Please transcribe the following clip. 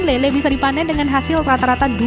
lele bisa dipanen dengan hasil rata rata